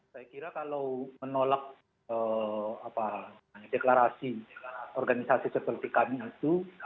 saya kira kalau menolak deklarasi organisasi seperti kami itu